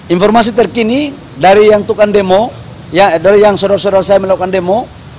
informasi terkini dari yang tukar demo dari yang saudara saudara saya melakukan demo